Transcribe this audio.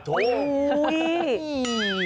โอ้โฮ